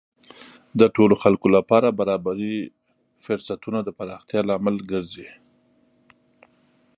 د ټولو خلکو لپاره برابرې فرصتونه د پراختیا لامل ګرځي.